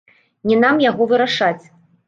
Не нам яго вырашаць.